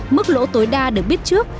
mức lỗ tối đa được biết trước